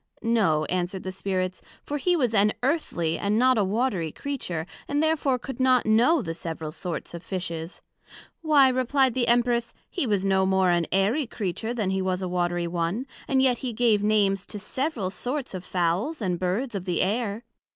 No, answered the Spirits, for he was an Earthly, and not a Watery Creature; and therefore could not know the several sorts of Fishes. Why, replied the Empress, he was no more an Airy Creature then he was a Watery one, and yet he gave Names to the several sorts of Fowls and Birds of the Air.